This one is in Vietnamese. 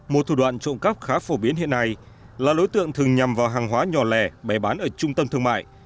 một thủ đoạn trộm cắp khá phổ biến hiện nay là đối tượng thường nhằm vào hàng hóa nhỏ lẻ bày bán ở trung tâm thương mại